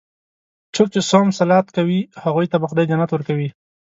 څوک چې صوم صلات کوي، هغوی ته به خدا جنت ورکوي.